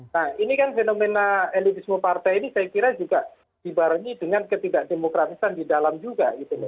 nah ini kan fenomena elitisme partai ini saya kira juga dibarengi dengan ketidakdemokratisan di dalam juga gitu loh